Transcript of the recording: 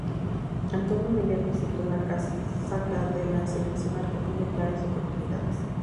Antonio Miguel vistió la casaca de la Selección Argentina en varias oportunidades.